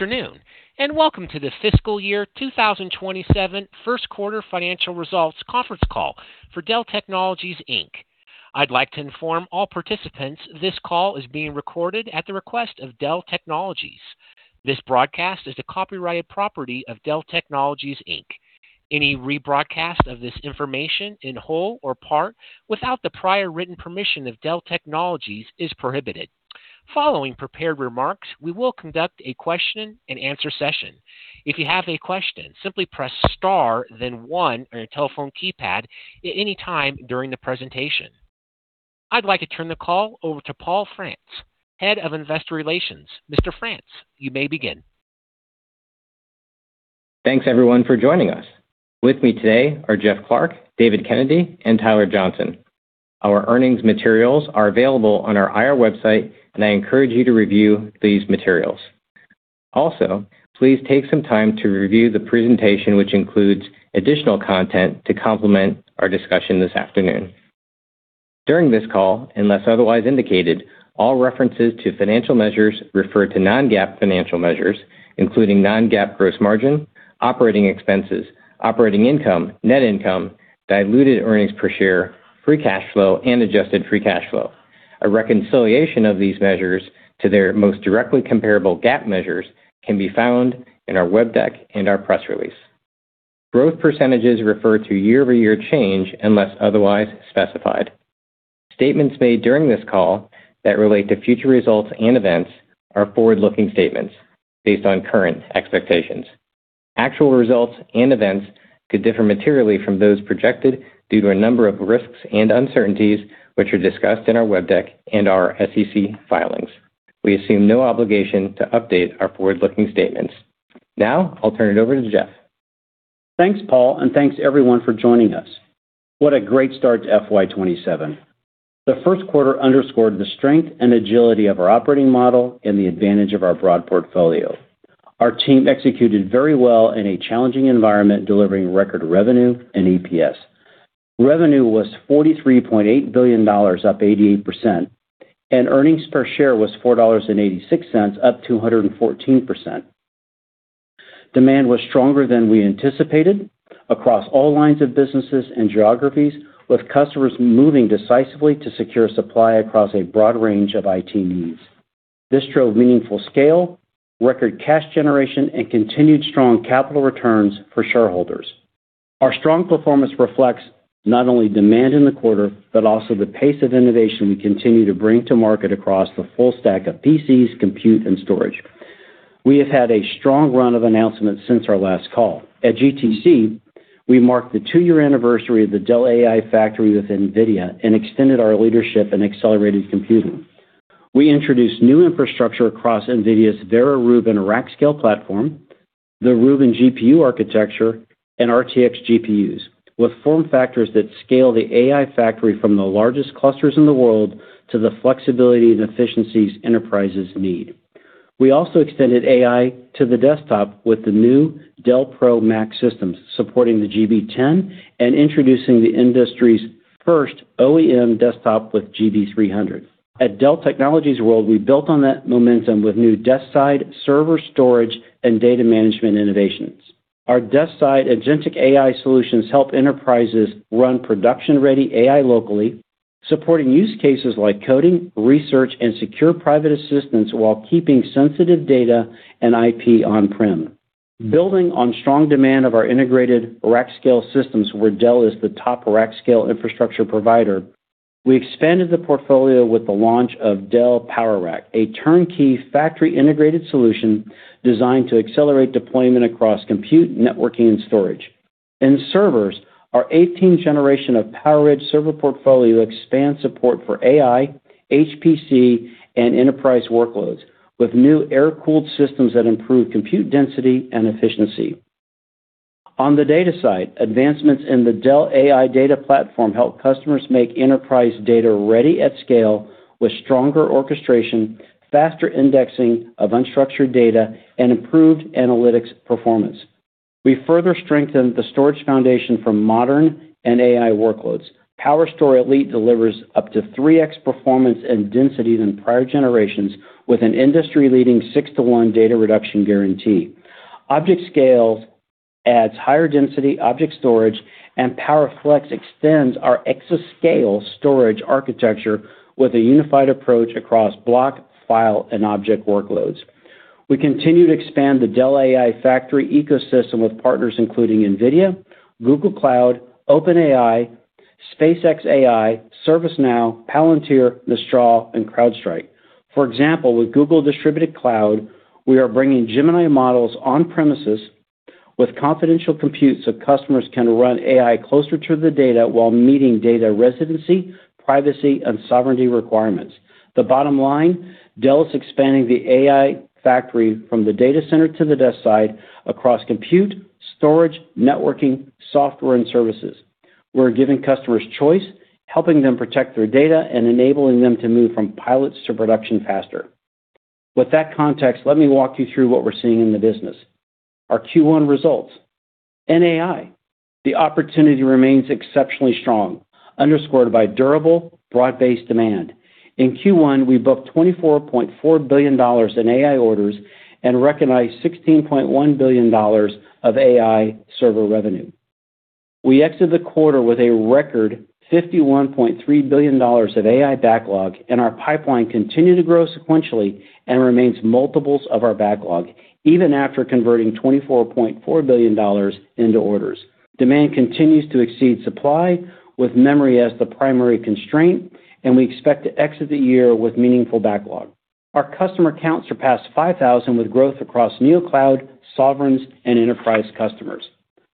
Afternoon, and welcome to the fiscal year 2027 first quarter financial results conference call for Dell Technologies Inc. I'd like to inform all participants this call is being recorded at the request of Dell Technologies. This broadcast is the copyrighted property of Dell Technologies Inc. Any rebroadcast of this information in whole or part without the prior written permission of Dell Technologies is prohibited. Following prepared remarks, we will conduct a question and answer session. If you have a question, simply press star then one on your telephone keypad at any time during the presentation. I'd like to turn the call over to Paul Frantz, Head of Investor Relations. Mr. Frantz, you may begin. Thanks everyone for joining us. With me today are Jeff Clarke, David Kennedy, and Tyler Johnson. Our earnings materials are available on our IR website, and I encourage you to review these materials. Please take some time to review the presentation, which includes additional content to complement our discussion this afternoon. During this call, unless otherwise indicated, all references to financial measures refer to non-GAAP financial measures, including non-GAAP gross margin, operating expenses, operating income, net income, diluted earnings per share, free cash flow, and adjusted free cash flow. A reconciliation of these measures to their most directly comparable GAAP measures can be found in our web deck and our press release. Growth percentages refer to year-over-year change unless otherwise specified. Statements made during this call that relate to future results and events are forward-looking statements based on current expectations. Actual results and events could differ materially from those projected due to a number of risks and uncertainties, which are discussed in our web deck and our SEC filings. We assume no obligation to update our forward-looking statements. Now, I'll turn it over to Jeff. Thanks, Paul, and thanks everyone for joining us. What a great start to FY 2027. The first quarter underscored the strength and agility of our operating model and the advantage of our broad portfolio. Our team executed very well in a challenging environment, delivering record revenue and EPS. Revenue was $43.8 billion, up 88%, and earnings per share was $4.86, up 214%. Demand was stronger than we anticipated across all lines of businesses and geographies, with customers moving decisively to secure supply across a broad range of IT needs. This drove meaningful scale, record cash generation, and continued strong capital returns for shareholders. Our strong performance reflects not only demand in the quarter but also the pace of innovation we continue to bring to market across the full stack of PCs, compute, and storage. We have had a strong run of announcements since our last call. At GTC, we marked the two-year anniversary of the Dell AI Factory with NVIDIA and extended our leadership in accelerated computing. We introduced new infrastructure across NVIDIA's Vera Rubin rack scale platform, the Rubin GPU architecture, and RTX GPUs, with form factors that scale the AI Factory from the largest clusters in the world to the flexibility and efficiencies enterprises need. We also extended AI to the desktop with the new Dell Pro Max systems supporting the GB10 and introducing the industry's first OEM desktop with GB300. At Dell Technologies World, we built on that momentum with new desk side server storage and data management innovations. Our desk side agentic AI solutions help enterprises run production-ready AI locally, supporting use cases like coding, research, and secure private assistance while keeping sensitive data and IP on-prem. Building on strong demand of our integrated rack scale systems, where Dell is the top rack scale infrastructure provider, we expanded the portfolio with the launch of Dell PowerRack, a turnkey factory-integrated solution designed to accelerate deployment across compute, networking, and storage. In servers, our 18th generation of PowerEdge server portfolio expands support for AI, HPC, and enterprise workloads with new air-cooled systems that improve compute density and efficiency. On the data side, advancements in the Dell AI Data Platform help customers make enterprise data ready at scale with stronger orchestration, faster indexing of unstructured data, and improved analytics performance. We further strengthened the storage foundation for modern and AI workloads. PowerStore Elite delivers up to 3X performance and density than prior generations with an industry-leading 6:1 data reduction guarantee. ObjectScale adds higher density object storage, and PowerFlex extends our exascale storage architecture with a unified approach across block, file, and object workloads. We continue to expand the Dell AI Factory ecosystem with partners including NVIDIA, Google Cloud, OpenAI, SpaceXAI, ServiceNow, Palantir, Mistral, and CrowdStrike. For example, with Google Distributed Cloud, we are bringing Gemini models on premises with confidential compute so customers can run AI closer to the data while meeting data residency, privacy, and sovereignty requirements. The bottom line, Dell is expanding the AI Factory from the data center to the desk side across compute, storage, networking, software, and services. We're giving customers choice, helping them protect their data, and enabling them to move from pilots to production faster. With that context, let me walk you through what we're seeing in the business. Our Q1 results. In AI, the opportunity remains exceptionally strong, underscored by durable, broad-based demand. In Q1, we booked $24.4 billion in AI orders and recognized $16.1 billion of AI server revenue. We exited the quarter with a record $51.3 billion of AI backlog, and our pipeline continued to grow sequentially and remains multiples of our backlog, even after converting $24.4 billion into orders. Demand continues to exceed supply, with memory as the primary constraint, and we expect to exit the year with meaningful backlog. Our customer count surpassed 5,000, with growth across neocloud, sovereigns, and enterprise customers.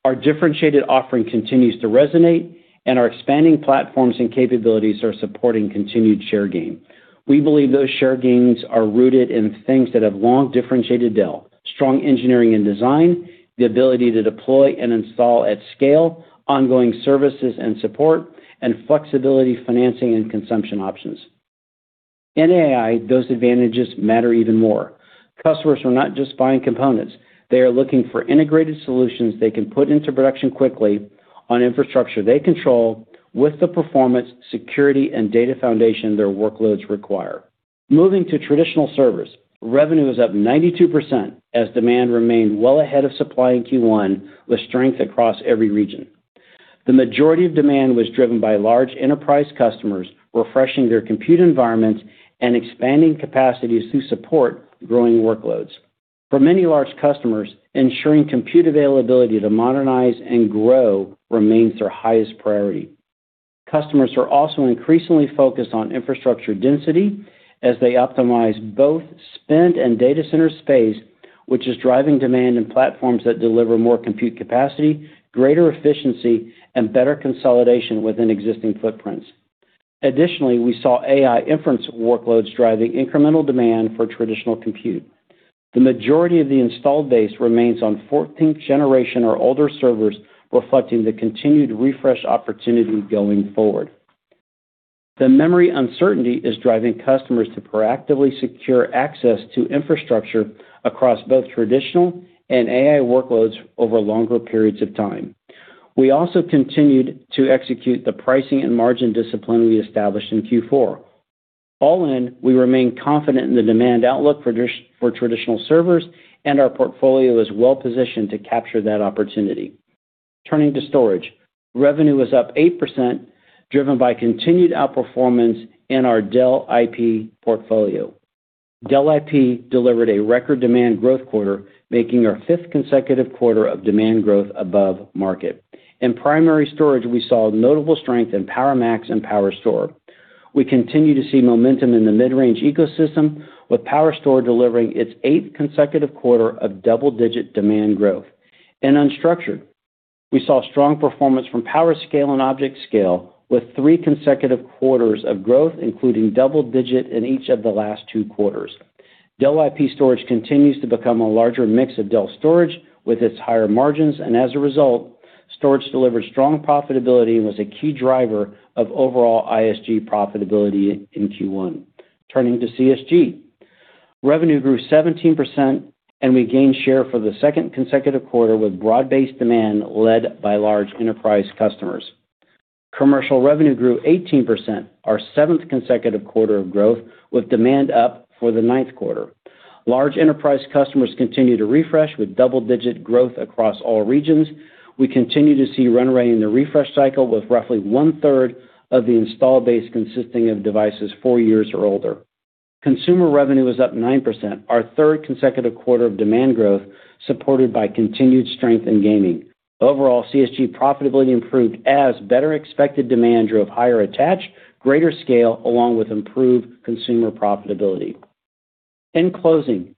Our differentiated offering continues to resonate, and our expanding platforms and capabilities are supporting continued share gain. We believe those share gains are rooted in things that have long differentiated Dell: strong engineering and design, the ability to deploy and install at scale, ongoing services and support, and flexibility financing and consumption options. In AI, those advantages matter even more. Customers are not just buying components. They are looking for integrated solutions they can put into production quickly on infrastructure they control with the performance, security, and data foundation their workloads require. Moving to traditional servers, revenue was up 92%, as demand remained well ahead of supply in Q1, with strength across every region. The majority of demand was driven by large enterprise customers refreshing their compute environments and expanding capacities to support growing workloads. For many large customers, ensuring compute availability to modernize and grow remains their highest priority. Customers are also increasingly focused on infrastructure density as they optimize both spend and data center space, which is driving demand in platforms that deliver more compute capacity, greater efficiency, and better consolidation within existing footprints. Additionally, we saw AI inference workloads driving incremental demand for traditional compute. The majority of the installed base remains on 14th generation or older servers, reflecting the continued refresh opportunity going forward. The memory uncertainty is driving customers to proactively secure access to infrastructure across both traditional and AI workloads over longer periods of time. We also continued to execute the pricing and margin discipline we established in Q4. All in, we remain confident in the demand outlook for traditional servers, and our portfolio is well-positioned to capture that opportunity. Turning to storage, revenue was up 8%, driven by continued outperformance in our Dell IP portfolio. Dell IP delivered a record demand growth quarter, making our fifth consecutive quarter of demand growth above market. In primary storage, we saw notable strength in PowerMax and PowerStore. We continue to see momentum in the mid-range ecosystem, with PowerStore delivering its eighth consecutive quarter of double-digit demand growth. In unstructured, we saw strong performance from PowerScale and ObjectScale, with three consecutive quarters of growth, including double digits in each of the last two quarters. Dell IP storage continues to become a larger mix of Dell storage with its higher margins, and as a result, storage delivered strong profitability and was a key driver of overall ISG profitability in Q1. Turning to CSG, revenue grew 17%, and we gained share for the second consecutive quarter with broad-based demand led by large enterprise customers. Commercial revenue grew 18%, our seventh consecutive quarter of growth, with demand up for the ninth quarter. Large enterprise customers continue to refresh with double-digit growth across all regions. We continue to see run rate in the refresh cycle with roughly 1/3 of the install base consisting of devices four years or older. Consumer revenue was up 9%, our third consecutive quarter of demand growth, supported by continued strength in gaming. Overall, CSG profitability improved as better-than-expected demand drove higher attach, greater scale, along with improved consumer profitability. In closing,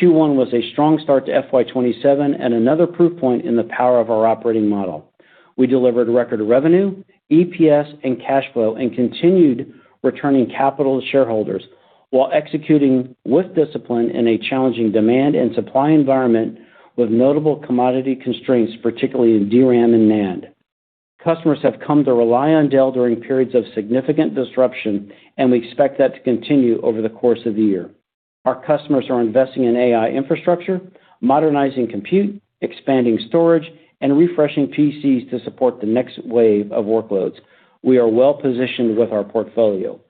Q1 was a strong start to FY 2027 and another proof point in the power of our operating model. We delivered record revenue, EPS, and cash flow and continued returning capital to shareholders while executing with discipline in a challenging demand and supply environment with notable commodity constraints, particularly in DRAM and NAND. Customers have come to rely on Dell during periods of significant disruption, and we expect that to continue over the course of the year. Our customers are investing in AI infrastructure, modernizing compute, expanding storage, and refreshing PCs to support the next wave of workloads. We are well-positioned with our portfolio.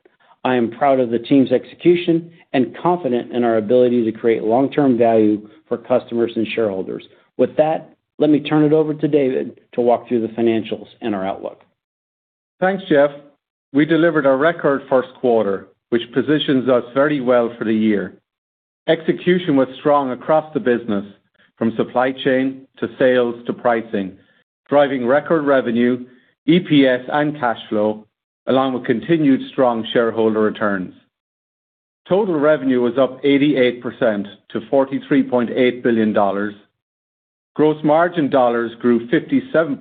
I am proud of the team's execution and confident in our ability to create long-term value for customers and shareholders. With that, let me turn it over to David to walk through the financials and our outlook. Thanks, Jeff. We delivered a record first quarter, which positions us very well for the year. Execution was strong across the business, from supply chain to sales to pricing, driving record revenue, EPS, and cash flow, along with continued strong shareholder returns. Total revenue was up 88% to $43.8 billion. Gross margin dollars grew 57%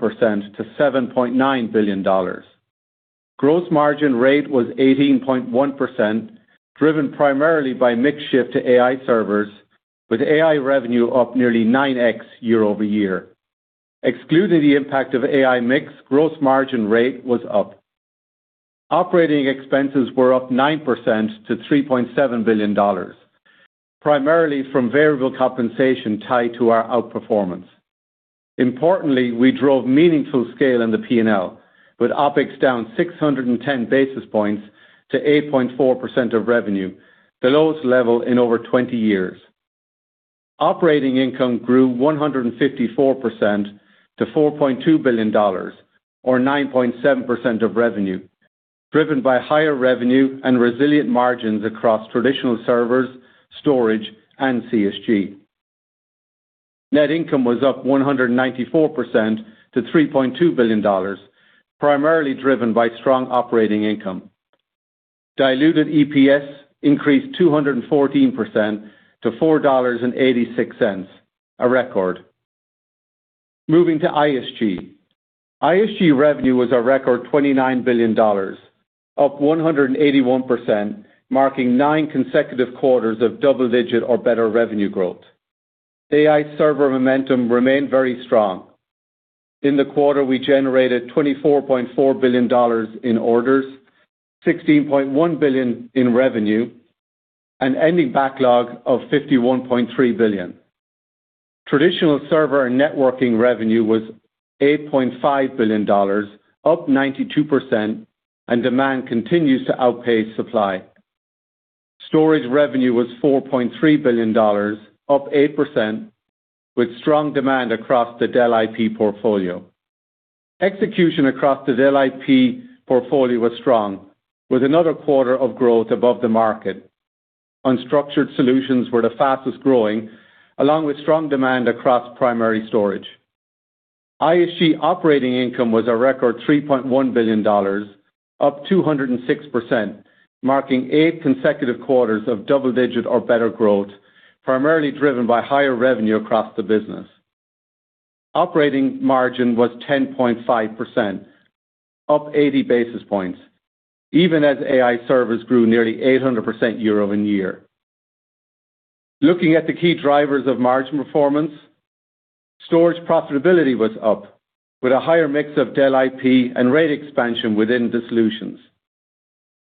to $7.9 billion. Gross margin rate was 18.1%, driven primarily by mix shift to AI servers, with AI revenue up nearly 9x year-over-year. Excluding the impact of AI mix, gross margin rate was up. Operating expenses were up 9% to $3.7 billion, primarily from variable compensation tied to our outperformance. Importantly, we drove meaningful scale in the P&L, with OpEx down 610 basis points to 8.4% of revenue, the lowest level in over 20 years. Operating income grew 154% to $4.2 billion, or 9.7% of revenue, driven by higher revenue and resilient margins across traditional servers, storage, and CSG. Net income was up 194% to $3.2 billion, primarily driven by strong operating income. Diluted EPS increased 214% to $4.86, a record. Moving to ISG. ISG revenue was a record $29 billion, up 181%, marking nine consecutive quarters of double-digit or better revenue growth. AI server momentum remained very strong. In the quarter, we generated $24.4 billion in orders, $16.1 billion in revenue, and ending backlog of $51.3 billion. Traditional server and networking revenue was $8.5 billion, up 92%, and demand continues to outpace supply. Storage revenue was $4.3 billion, up 8%, with strong demand across the Dell IP portfolio. Execution across the Dell IP portfolio was strong, with another quarter of growth above the market. Unstructured solutions were the fastest-growing, along with strong demand across primary storage. ISG operating income was a record $3.1 billion, up 206%, marking eight consecutive quarters of double-digit or better growth, primarily driven by higher revenue across the business. Operating margin was 10.5%, up 80 basis points, even as AI servers grew nearly 800% year-over-year. Looking at the key drivers of margin performance, storage profitability was up with a higher mix of Dell IP and rate expansion within the solutions.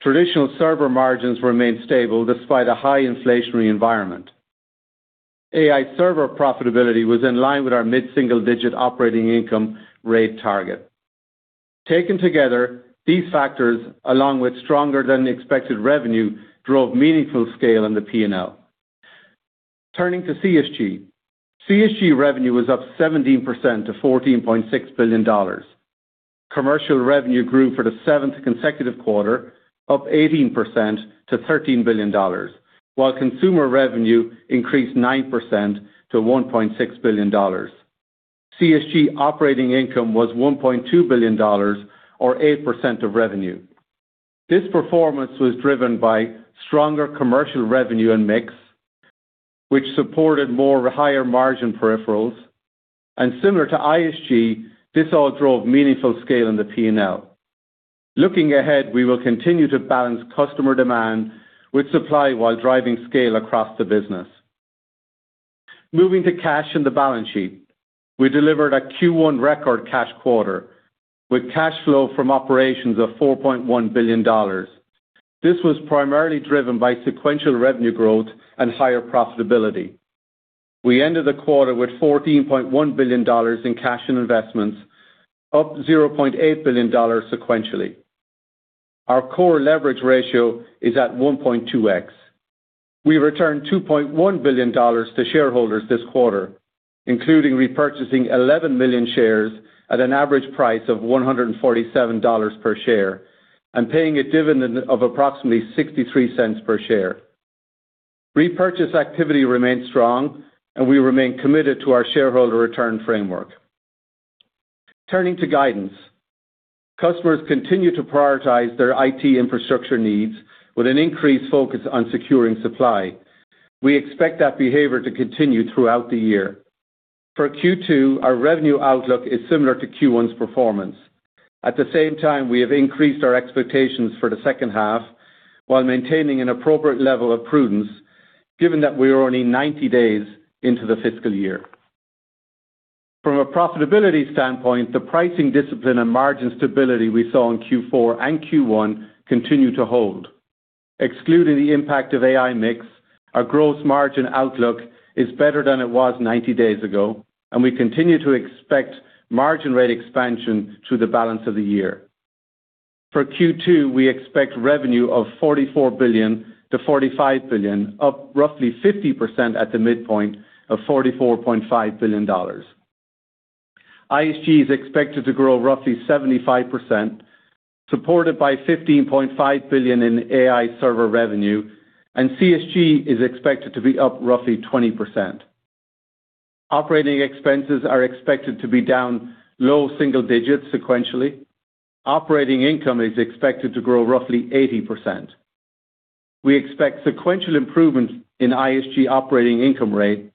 Traditional server margins remained stable despite a high inflationary environment. AI server profitability was in line with our mid-single-digit operating income rate target. Taken together, these factors, along with stronger-than-expected revenue, drove meaningful scale in the P&L. Turning to CSG. CSG revenue was up 17% to $14.6 billion. Commercial revenue grew for the seventh consecutive quarter, up 18% to $13 billion, while consumer revenue increased 9% to $1.6 billion. CSG operating income was $1.2 billion, or 8% of revenue. This performance was driven by stronger commercial revenue and mix, which supported more higher-margin peripherals, and similar to ISG, this all drove meaningful scale in the P&L. Looking ahead, we will continue to balance customer demand with supply while driving scale across the business. Moving to cash and the balance sheet. We delivered a Q1 record cash quarter with cash flow from operations of $4.1 billion. This was primarily driven by sequential revenue growth and higher profitability. We ended the quarter with $14.1 billion in cash and investments, up $0.8 billion sequentially. Our core leverage ratio is at 1.2x. We returned $2.1 billion to shareholders this quarter, including repurchasing 11 million shares at an average price of $147 per share and paying a dividend of approximately $0.63 per share. Repurchase activity remains strong, and we remain committed to our shareholder return framework. Turning to guidance. Customers continue to prioritize their IT infrastructure needs with an increased focus on securing supply. We expect that behavior to continue throughout the year. For Q2, our revenue outlook is similar to Q1's performance. At the same time, we have increased our expectations for the second half while maintaining an appropriate level of prudence, given that we are only 90 days into the fiscal year. From a profitability standpoint, the pricing discipline and margin stability we saw in Q4 and Q1 continue to hold. Excluding the impact of AI mix, our gross margin outlook is better than it was 90 days ago. We continue to expect margin rate expansion through the balance of the year. For Q2, we expect revenue of $44 billion-$45 billion, up roughly 50% at the midpoint of $44.5 billion. ISG is expected to grow roughly 75%, supported by $15.5 billion in AI server revenue. CSG is expected to be up roughly 20%. Operating expenses are expected to be down low single digits sequentially. Operating income is expected to grow roughly 80%. We expect sequential improvement in ISG operating income rate,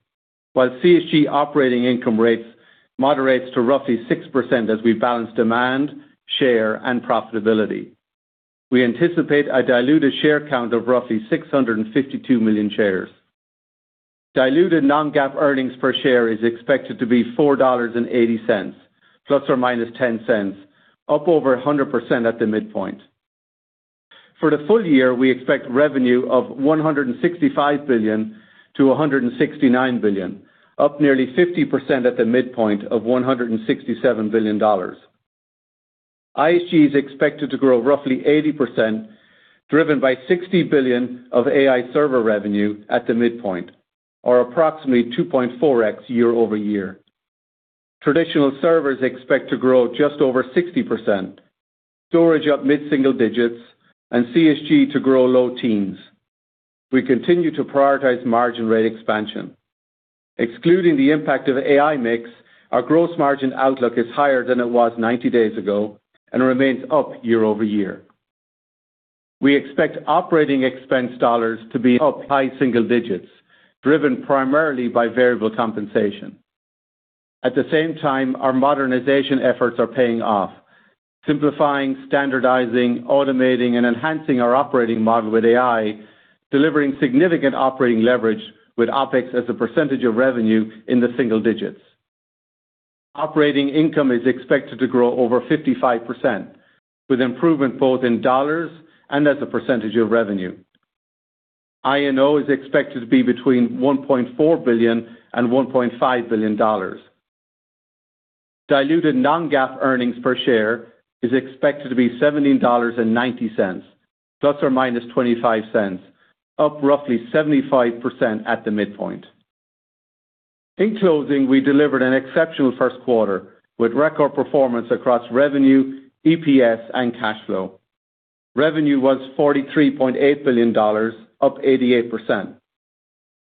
while CSG operating income rates moderates to roughly 6% as we balance demand, share, and profitability. We anticipate a diluted share count of roughly 652 million shares. Diluted non-GAAP earnings per share is expected to be $4.80, ±$0.10, up over 100% at the midpoint. For the full year, we expect revenue of $165 billion-$169 billion, up nearly 50% at the midpoint of $167 billion. ISG is expected to grow roughly 80%, driven by $60 billion of AI server revenue at the midpoint, or approximately 2.4x year-over-year. Traditional servers expect to grow just over 60%, storage up mid-single digits, and CSG to grow low teens. We continue to prioritize margin rate expansion. Excluding the impact of AI mix, our gross margin outlook is higher than it was 90 days ago and remains up year-over-year. We expect operating expense dollars to be up high single digits, driven primarily by variable compensation. At the same time, our modernization efforts are paying off, simplifying, standardizing, automating, and enhancing our operating model with AI, delivering significant operating leverage with OpEx as a percentage of revenue in the single digits. Operating income is expected to grow over 55%, with improvement both in dollars and as a percentage of revenue. I&O is expected to be between $1.4 billion and $1.5 billion. Diluted non-GAAP earnings per share is expected to be $17.90 ±$0.25, up roughly 75% at the midpoint. In closing, we delivered an exceptional first quarter with record performance across revenue, EPS, and cash flow. Revenue was $43.8 billion, up 88%.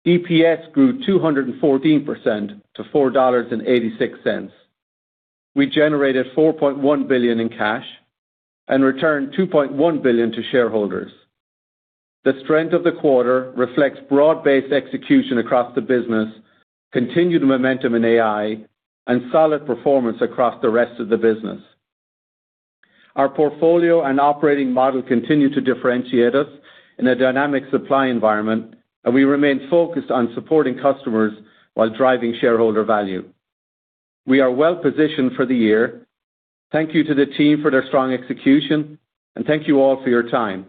EPS grew 214% to $4.86. We generated $4.1 billion in cash and returned $2.1 billion to shareholders. The strength of the quarter reflects broad-based execution across the business, continued momentum in AI, and solid performance across the rest of the business. Our portfolio and operating model continue to differentiate us in a dynamic supply environment. We remain focused on supporting customers while driving shareholder value. We are well-positioned for the year. Thank you to the team for their strong execution. Thank you all for your time.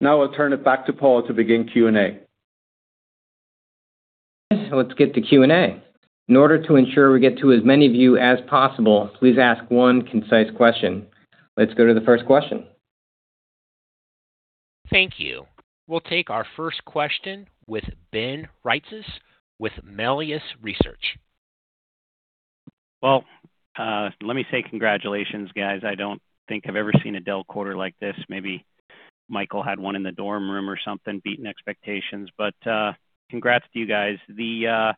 I'll turn it back to Paul to begin Q&A. Let's get to Q&A. In order to ensure we get to as many of you as possible, please ask one concise question. Let's go to the first question. Thank you. We'll take our first question with Ben Reitzes with Melius Research. Well, let me say congratulations, guys. I don't think I've ever seen a Dell quarter like this. Maybe Michael had one in the dorm room or something, beating expectations, but congrats to you guys. The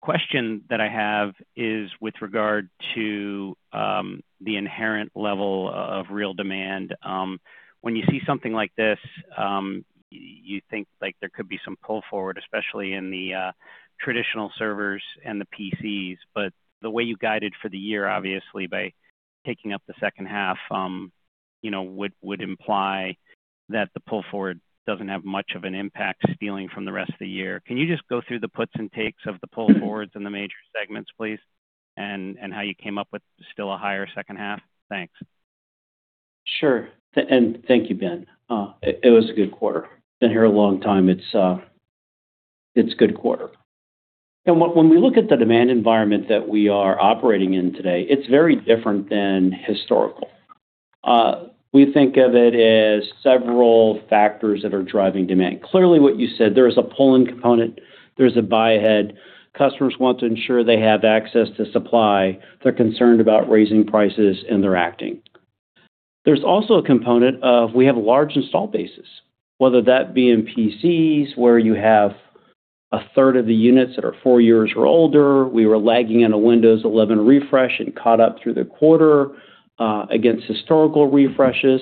question that I have is with regard to the inherent level of real demand. When you see something like this, you think there could be some pull forward, especially in the traditional servers and the PCs. The way you guided for the year, obviously by taking up the second half, would imply that the pull forward doesn't have much of an impact stealing from the rest of the year. Can you just go through the puts and takes of the pull forwards in the major segments, please, and how you came up with still a higher second half? Thanks. Sure. Thank you, Ben. It was a good quarter. Been here a long time. It's a good quarter. When we look at the demand environment that we are operating in today, it's very different than historical. We think of it as several factors that are driving demand. Clearly what you said, there is a pull-in component, there's a buy-ahead. Customers want to ensure they have access to supply. They're concerned about raising prices, and they're acting. There's also a component of we have large install bases, whether that be in PCs, where you have a third of the units that are four years or older. We were lagging in a Windows 11 refresh and caught up through the quarter against historical refreshes.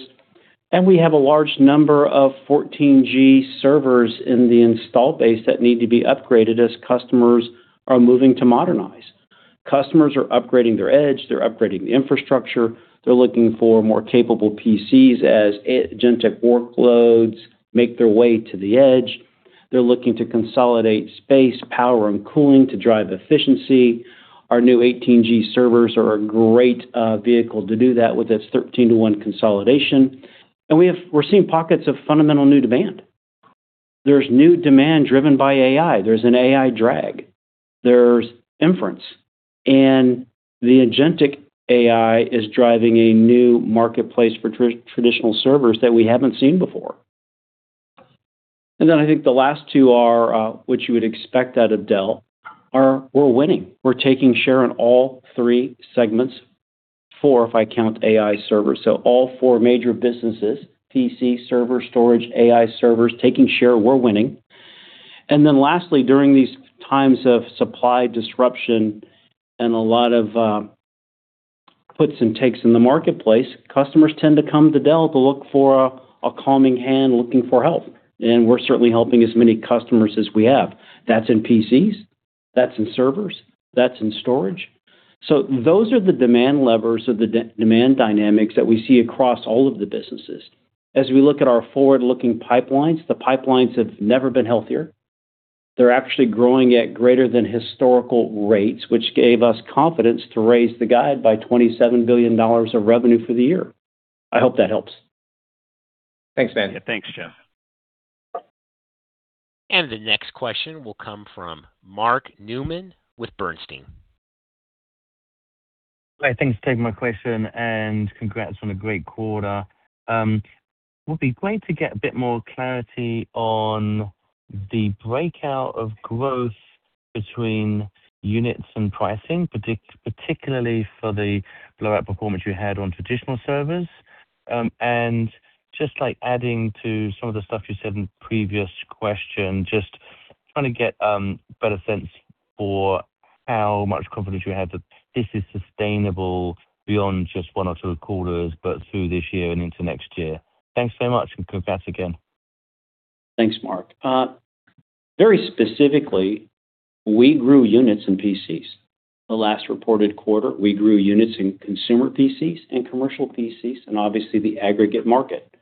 We have a large number of 14G servers in the install base that need to be upgraded as customers are moving to modernize. Customers are upgrading their edge, they're upgrading the infrastructure. They're looking for more capable PCs as agentic workloads make their way to the edge. They're looking to consolidate space, power, and cooling to drive efficiency. Our new 18G servers are a great vehicle to do that with its 13:1 consolidation. We're seeing pockets of fundamental new demand. There's new demand driven by AI. There's an AI drag. There's inference. The agentic AI is driving a new marketplace for traditional servers that we haven't seen before. I think the last two are what you would expect out of Dell, are we're winning. We're taking share on all three segments, four if I count AI servers. All four major businesses, PC, server, storage, AI servers, taking share, we're winning. Lastly, during these times of supply disruption and a lot of puts and takes in the marketplace, customers tend to come to Dell to look for a calming hand, looking for help. We're certainly helping as many customers as we have. That's in PCs. That's in servers, that's in storage. Those are the demand levers of the demand dynamics that we see across all of the businesses. As we look at our forward-looking pipelines, the pipelines have never been healthier. They're actually growing at greater than historical rates, which gave us confidence to raise the guide by $27 billion of revenue for the year. I hope that helps. Thanks, man. Yeah. Thanks, Jeff. The next question will come from Mark Newman with Bernstein. Hi. Thanks for taking my question and congrats on a great quarter. It would be great to get a bit more clarity on the breakout of growth between units and pricing, particularly for the blowout performance you had on traditional servers. Just adding to some of the stuff you said in previous question, just trying to get better sense for how much confidence you have that this is sustainable beyond just one or two quarters, but through this year and into next year. Thanks so much, and congrats again. Thanks, Mark. Very specifically, we grew units in PCs. The last reported quarter, we grew units in consumer PCs and commercial PCs, and obviously the aggregate market.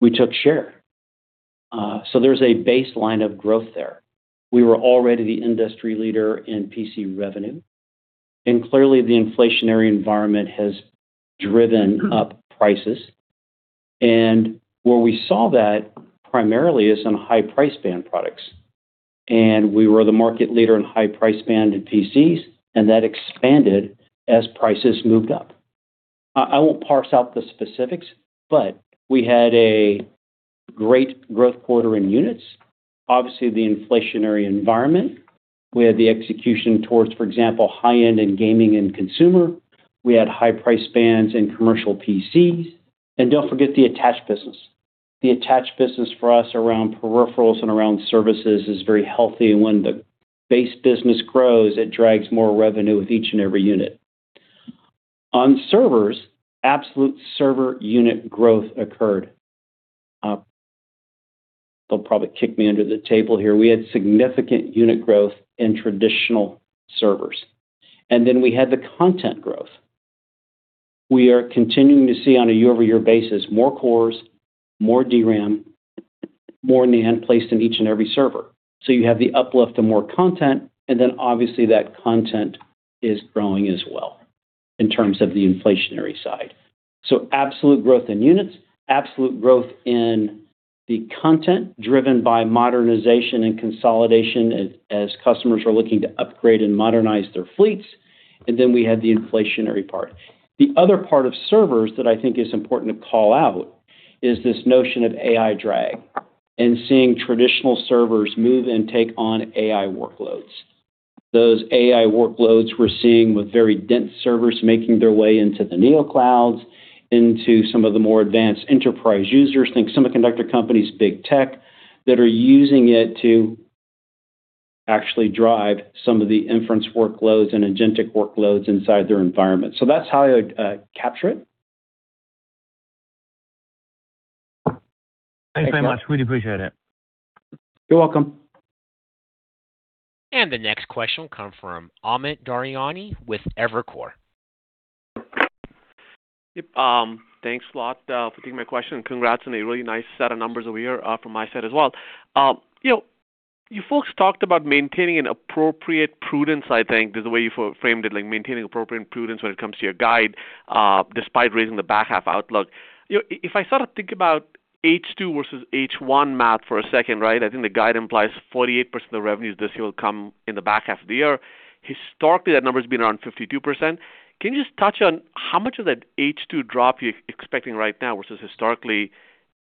We took share. There's a baseline of growth there. We were already the industry leader in PC revenue, and clearly the inflationary environment has driven up prices. Where we saw that primarily is on high price band products. We were the market leader in high price band in PCs, and that expanded as prices moved up. I won't parse out the specifics, but we had a great growth quarter in units. Obviously, the inflationary environment, we had the execution towards, for example, high-end and gaming and consumer. We had high price bands and commercial PCs. Don't forget the attached business. The attached business for us around peripherals and around services is very healthy, and when the base business grows, it drags more revenue with each and every unit. On servers, absolute server unit growth occurred. They'll probably kick me under the table here. We had significant unit growth in traditional servers. We had the content growth. We are continuing to see on a year-over-year basis, more cores, more DRAM, more NAND placed in each and every server. You have the uplift of more content, and then obviously that content is growing as well in terms of the inflationary side. Absolute growth in units, absolute growth in the content driven by modernization and consolidation as customers are looking to upgrade and modernize their fleets. We had the inflationary part. The other part of servers that I think is important to call out is this notion of AI drag and seeing traditional servers move and take on AI workloads. Those AI workloads we're seeing with very dense servers making their way into the neoclouds, into some of the more advanced enterprise users, think semiconductor companies, big tech, that are using it to actually drive some of the inference workloads and agentic workloads inside their environment. That's how I would capture it. Thanks very much. Really appreciate it. You're welcome. The next question will come from Amit Daryanani with Evercore. Yep. Thanks a lot for taking my question and congrats on a really nice set of numbers over here from my side as well. You folks talked about maintaining an appropriate prudence, I think, is the way you framed it, like maintaining appropriate prudence when it comes to your guide, despite raising the back half outlook. If I sort of think about H2 versus H1 math for a second, right? I think the guide implies 48% of the revenues this year will come in the back half of the year. Historically, that number's been around 52%. Can you just touch on how much of that H2 drop you're expecting right now versus historically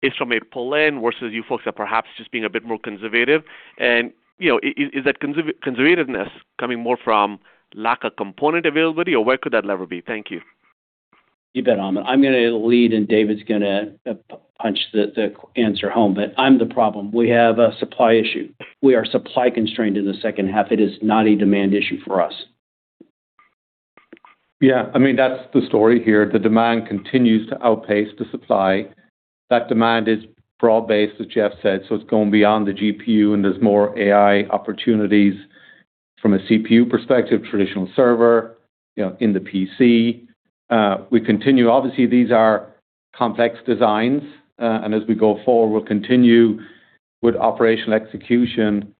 is from a pull-in versus you folks are perhaps just being a bit more conservative? Is that conservativeness coming more from lack of component availability or where could that lever be? Thank you. You bet, Amit. I'm going to lead and David's going to punch the answer home, but I'm the problem. We have a supply issue. We are supply constrained in the second half. It is not a demand issue for us. Yeah, that's the story here. The demand continues to outpace the supply. That demand is broad-based, as Jeff said, it's going beyond the GPU, there's more AI opportunities from a CPU perspective, traditional server, in the PC. We continue, obviously, these are complex designs. As we go forward, we'll continue with operational execution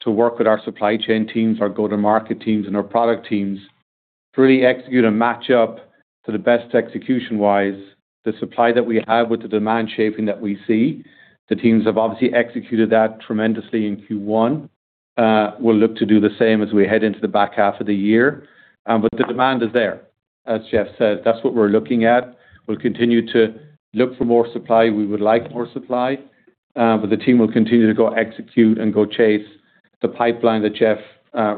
to work with our supply chain teams, our go-to-market teams, and our product teams to really execute a match-up to the best execution-wise, the supply that we have with the demand shaping that we see. The teams have obviously executed that tremendously in Q1. We'll look to do the same as we head into the back half of the year. The demand is there, as Jeff said. That's what we're looking at. We'll continue to look for more supply. We would like more supply. The team will continue to go execute and go chase the pipeline that Jeff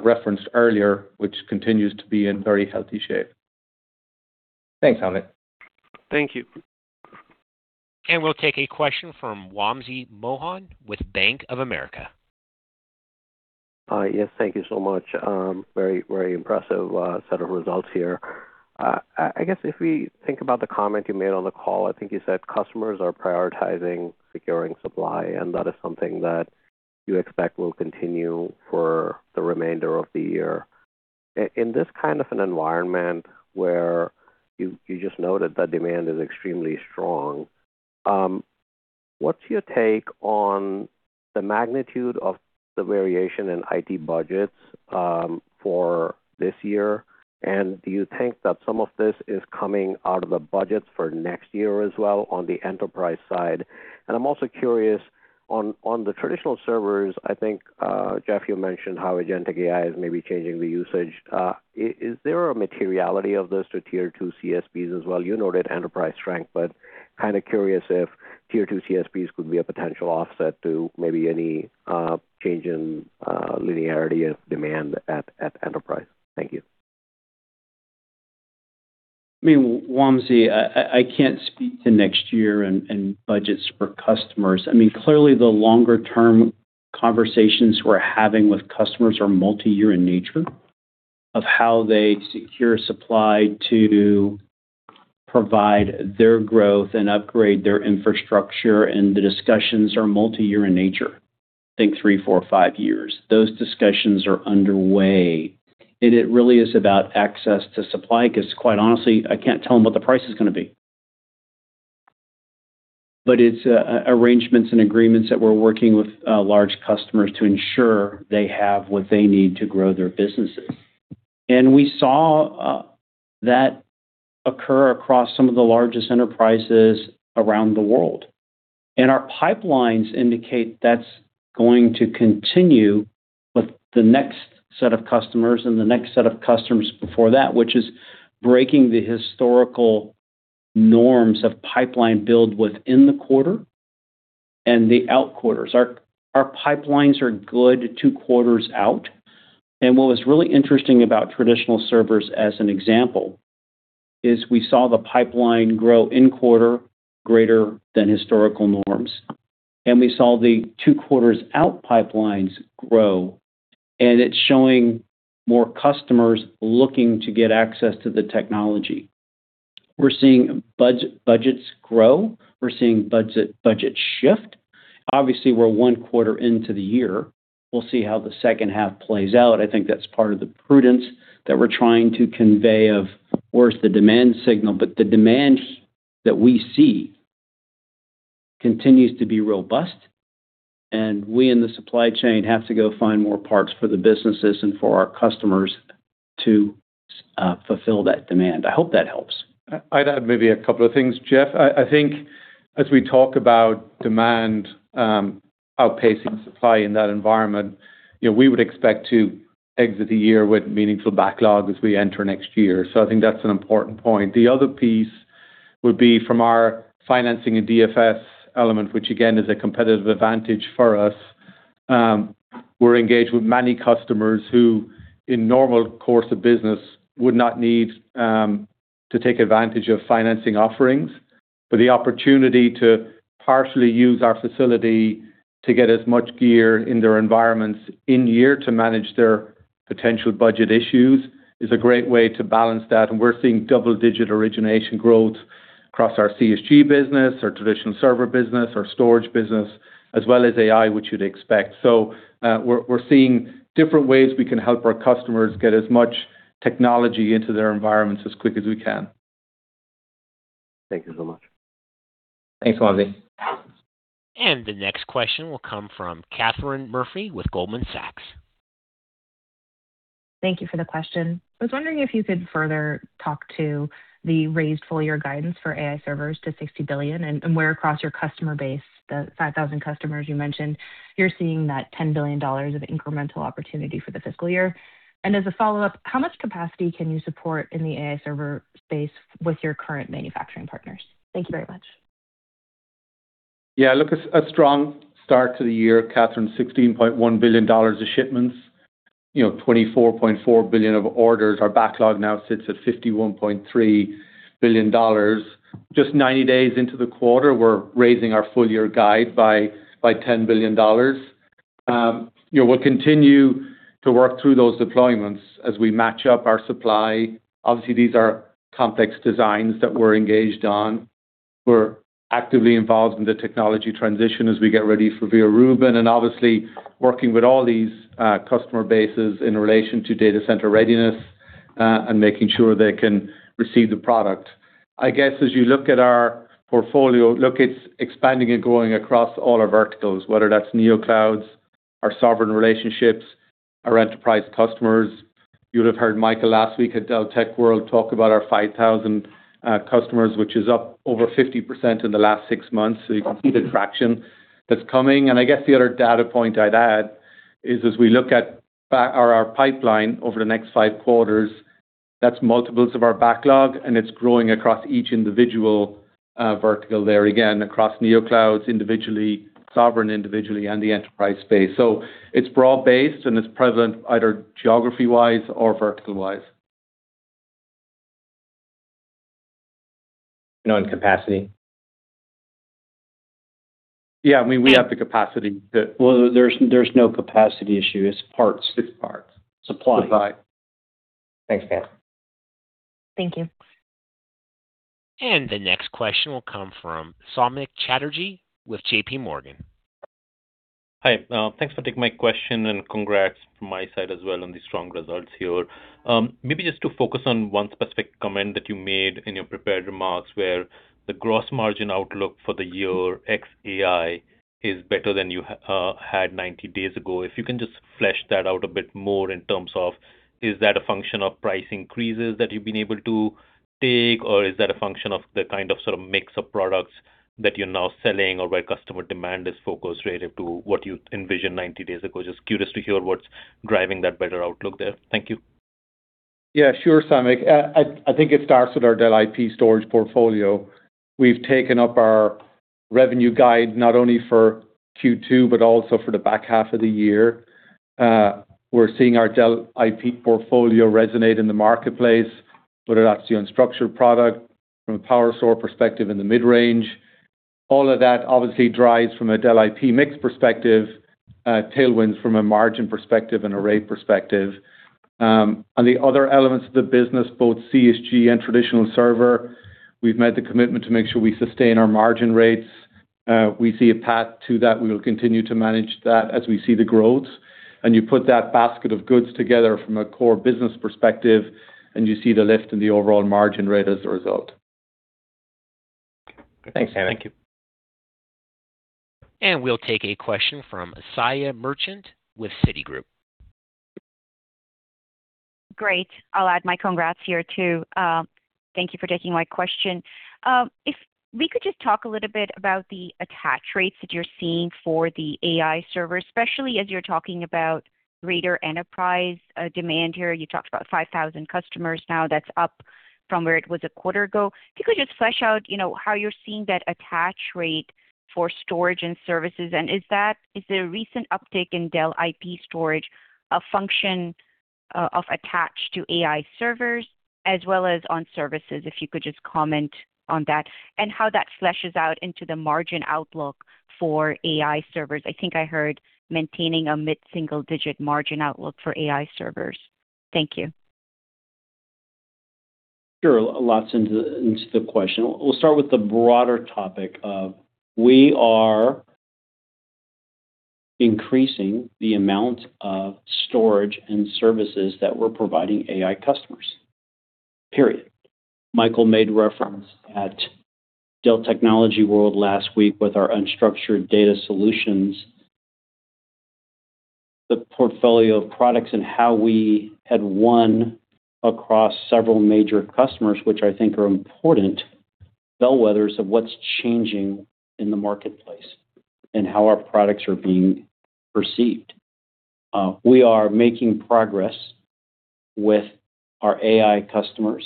referenced earlier, which continues to be in very healthy shape. Thanks, Amit. Thank you. We'll take a question from Wamsi Mohan with Bank of America. Yes, thank you so much. Very impressive set of results here. I guess if we think about the comment you made on the call, I think you said customers are prioritizing securing supply, and that is something that you expect will continue for the remainder of the year. In this kind of an environment where you just noted that demand is extremely strong, what's your take on the magnitude of the variation in IT budgets for this year? Do you think that some of this is coming out of the budgets for next year as well on the enterprise side? I'm also curious on the traditional servers, I think, Jeff, you mentioned how agentic AI is maybe changing the usage. Is there a materiality of this to Tier 2 CSPs as well? You noted enterprise strength, but kind of curious if Tier 2 CSPs could be a potential offset to maybe any change in linearity of demand at enterprise. Thank you. Wamsi, I can't speak to next year and budgets for customers. Clearly the longer-term conversations we're having with customers are multi-year in nature of how they secure supply to provide their growth and upgrade their infrastructure. The discussions are multi-year in nature, think three, four, five years. Those discussions are underway, and it really is about access to supply because quite honestly, I can't tell them what the price is going to be. It's arrangements and agreements that we're working with large customers to ensure they have what they need to grow their businesses. We saw that occur across some of the largest enterprises around the world. Our pipelines indicate that's going to continue with the next set of customers and the next set of customers before that, which is breaking the historical norms of pipeline build within the quarter and the out quarters. Our pipelines are good two quarters out. What was really interesting about traditional servers as an example, is we saw the pipeline grow in quarter greater than historical norms. We saw the two quarters out pipelines grow. It's showing more customers looking to get access to the technology. We're seeing budgets grow. We're seeing budgets shift. Obviously, we're one quarter into the year. We'll see how the second half plays out. I think that's part of the prudence that we're trying to convey of where's the demand signal. The demand that we see continues to be robust. We in the supply chain have to go find more parts for the businesses and for our customers to fulfill that demand. I hope that helps. I'd add maybe a couple of things, Jeff. I think as we talk about demand outpacing supply in that environment, we would expect to exit the year with meaningful backlog as we enter next year. I think that's an important point. The other piece would be from our financing and DFS element, which again, is a competitive advantage for us. We're engaged with many customers who in normal course of business would not need to take advantage of financing offerings, but the opportunity to partially use our facility to get as much gear in their environments in year to manage their potential budget issues is a great way to balance that, and we're seeing double-digit origination growth across our CSG business, our traditional server business, our storage business, as well as AI, which you'd expect. We're seeing different ways we can help our customers get as much technology into their environments as quick as we can. Thank you so much. Thanks, Wamsi. The next question will come from Katherine Murphy with Goldman Sachs. Thank you for the question. I was wondering if you could further talk to the raised full year guidance for AI servers to $60 billion, and where across your customer base, the 5,000 customers you mentioned, you're seeing that $10 billion of incremental opportunity for the fiscal year. As a follow-up, how much capacity can you support in the AI server space with your current manufacturing partners? Thank you very much. A strong start to the year, Kath, $16.1 billion of shipments, $24.4 billion of orders. Our backlog now sits at $51.3 billion. Just 90 days into the quarter, we're raising our full year guide by $10 billion. We'll continue to work through those deployments as we match up our supply. Obviously, these are complex designs that we're engaged on. We're actively involved in the technology transition as we get ready for Vera Rubin, working with all these customer bases in relation to data center readiness, and making sure they can receive the product. As you look at our portfolio, it's expanding and growing across all our verticals, whether that's neoclouds, our sovereign relationships, our enterprise customers. You would've heard Michael last week at Dell Technologies World talk about our 5,000 customers, which is up over 50% in the last six months. You can see the traction that's coming, and I guess the other data point I'd add is as we look at our pipeline over the next five quarters, that's multiples of our backlog and it's growing across each individual vertical there, again, across neoclouds individually, sovereign individually, and the enterprise space. It's broad-based and it's prevalent either geography-wise or vertical-wise. On capacity. Yeah, we have the capacity. Well, there's no capacity issue, it's parts. It's parts. Supply. Supply. Thanks, Kath. Thank you. The next question will come from Samik Chatterjee with JPMorgan. Hi. Thanks for taking my question, congrats from my side as well on the strong results here. Maybe just to focus on one specific comment that you made in your prepared remarks, where the gross margin outlook for the year ex-AI is better than you had 90 days ago. If you can just flesh that out a bit more in terms of, is that a function of price increases that you've been able to take, or is that a function of the sort of mix of products that you're now selling or where customer demand is focused relative to what you envisioned 90 days ago? Just curious to hear what's driving that better outlook there. Thank you. Yeah, sure, Samik. I think it starts with our Dell IP storage portfolio. We've taken up our revenue guide not only for Q2 but also for the back half of the year. We're seeing our Dell IP portfolio resonate in the marketplace, whether that's the unstructured product from a PowerStore perspective in the mid-range. All of that obviously drives from a Dell IP mix perspective, tailwinds from a margin perspective, and array perspective. On the other elements of the business, both CSG and traditional server, we've made the commitment to make sure we sustain our margin rates. We see a path to that. We will continue to manage that as we see the growth. You put that basket of goods together from a core business perspective, and you see the lift in the overall margin rate as a result. Thanks, Samik. Thank you. We'll take a question from Asiya Merchant with Citigroup. Great. I'll add my congrats here, too. Thank you for taking my question. If we could just talk a little bit about the attach rates that you're seeing for the AI servers, especially as you're talking about greater enterprise demand here. You talked about 5,000 customers now. That's up from where it was a quarter ago. If you could just flesh out how you're seeing that attach rate for storage and services, and is the recent uptick in Dell IP storage a function of attach to AI servers as well as on services, if you could just comment on that, and how that fleshes out into the margin outlook for AI servers. I think I heard maintaining a mid-single-digit margin outlook for AI servers. Thank you. Sure. Lots into the question. We'll start with the broader topic of we are increasing the amount of storage and services that we're providing AI customers. Michael made reference at Dell Technologies World last week with our unstructured data solutions, the portfolio of products, and how we had won across several major customers, which I think are important bellwethers of what's changing in the marketplace and how our products are being perceived. We are making progress with our AI customers,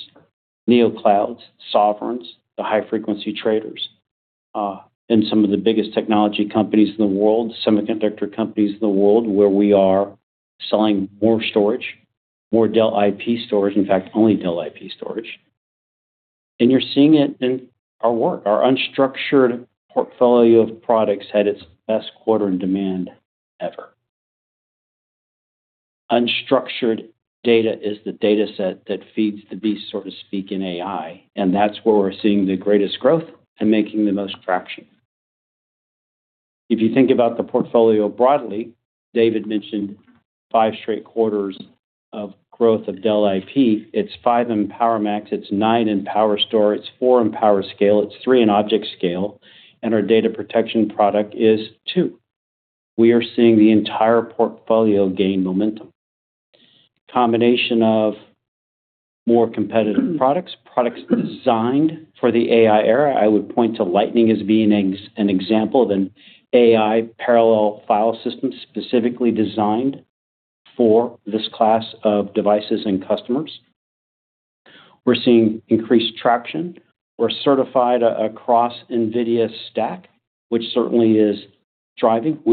neoclouds, Sovereigns, the high-frequency traders, and some of the biggest technology companies in the world, semiconductor companies in the world, where we are selling more storage, more Dell IP storage, in fact, only Dell IP storage. You're seeing it in our work. Our unstructured portfolio of products had its best quarter in demand ever. Unstructured data is the data set that feeds the beast, so to speak, in AI. That's where we're seeing the greatest growth and making the most traction. If you think about the portfolio broadly, David mentioned five straight quarters of growth of Dell IP. It's five in PowerMax, it's nine in PowerStore, it's four in PowerScale, it's three in ObjectScale. Our data protection product is two. We are seeing the entire portfolio gain momentum, a combination of more competitive products designed for the AI era. I would point to Lightning as being an example of an AI parallel file system specifically designed for this class of devices and customers. We're seeing increased traction. We're certified across NVIDIA's stack. We